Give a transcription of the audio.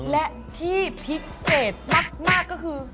และที่พิเศษมากก็คือ